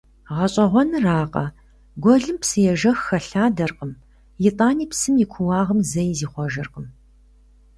ГъэщӀэгъуэнракъэ, гуэлым псы ежэх хэлъадэркъым, итӀани псым и куууагъым зэи зихъуэжыркъым.